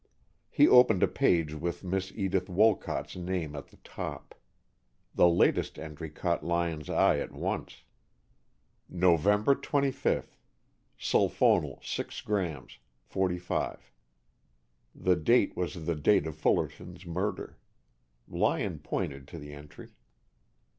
He opened a page with Miss Edith Wolcott's name at the top. The latest entry caught Lyon's eye at once. "Nov. 25, Sulphonal, 6gr., .45." The date was the date of Fullerton's murder. Lyon pointed to the entry.